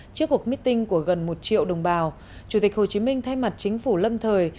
trước cuộc meeting của gần một triệu đồng bào chủ tịch hồ chí minh thay mặt chính phủ lâm thời